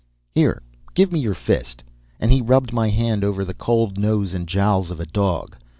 "Here! Give me your fist." And he rubbed my hand over the cold nose and jowls of a dog.